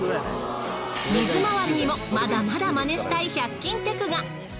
水回りにもまだまだマネしたい１００均テクが！